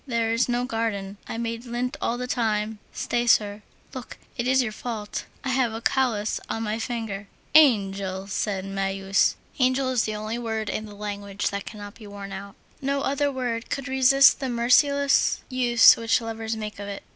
There is no garden. I made lint all the time; stay, sir, look, it is your fault, I have a callous on my fingers." "Angel!" said Marius. Angel is the only word in the language which cannot be worn out. No other word could resist the merciless use which lovers make of it.